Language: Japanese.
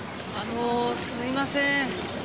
あのすみません。